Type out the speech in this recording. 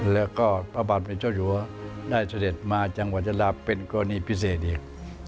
และประบาทประชโยได้เสด็จมาทางจังหวัดยาลาเป็นการีพิเศษอีก